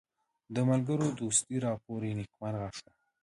د ملګرو دوستي راپوري نیکمرغه شوه.